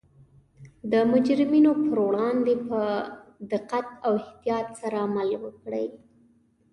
د مجرمینو پر وړاندې په دقت او احتیاط سره عمل وکړي